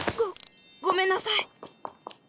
ごごめんなさい。